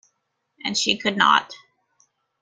And she could not.